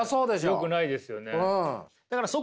よくないですよね。